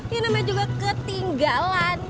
ya namanya juga ketinggalan